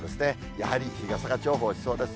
やはり日傘が重宝しそうです。